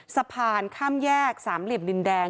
สะพานข้ามแยกสามเหลี่ยมดินแดง